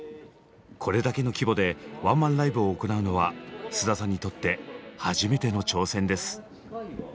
これだけの規模でワンマンライブを行うのは菅田さんにとって初めての挑戦です。